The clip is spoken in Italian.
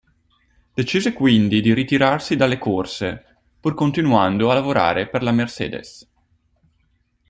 Decise quindi di ritirarsi dalle corse, pur continuando a lavorare per la Mercedes.